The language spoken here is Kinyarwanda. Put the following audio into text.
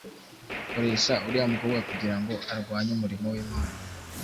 koresha uriya mukobwa kugira ngo arwanye umurimo w’Imana,